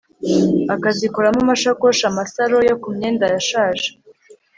akazikoramo amashakoshi, amasaro yo ku myenda yashaje